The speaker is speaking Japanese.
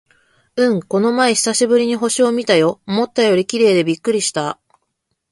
うん、この前久しぶりに星を見たよ。思ったより綺麗でびっくりした！